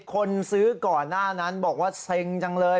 คนซื้อก่อนหน้านั้นบอกว่าเซ็งจังเลย